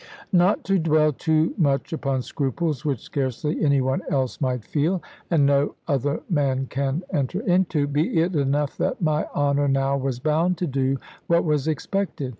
Not to dwell too much upon scruples which scarcely any one else might feel, and no other man can enter into, be it enough that my honour now was bound to do what was expected.